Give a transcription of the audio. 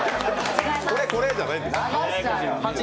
これこれじゃないんです。